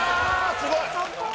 すごい！